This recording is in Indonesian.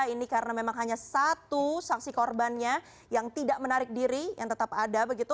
ini karena memang hanya satu saksi korbannya yang tidak menarik diri yang tetap ada begitu